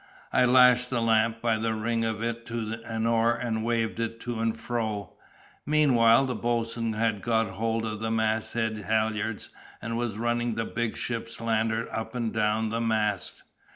I lashed the lamp by the ring of it to an oar and waved it to and fro. Meanwhile the boatswain had got hold of the masthead halyards, and was running the big ship's lantern up and down the mast.